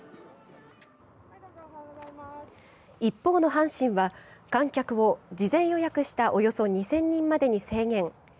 一方の阪神は観客を事前予約したおよそ２０００人までに制限。